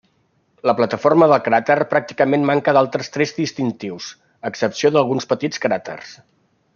La plataforma del cràter pràcticament manca d'altres trets distintius, a excepció d'alguns petits cràters.